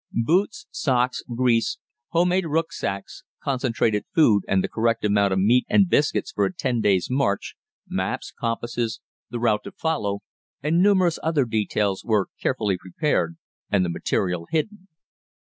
Boots, socks, grease, home made rücksacks, concentrated food and the correct amount of meat and biscuits for a ten days' march, maps, compasses, the route to follow, and numerous other details were carefully prepared, and the material hidden.